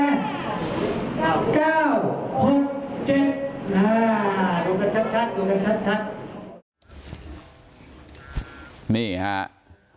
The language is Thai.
ดูกันชัด